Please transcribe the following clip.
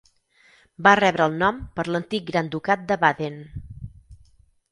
Va rebre el nom per l'antic Gran Ducat de Baden.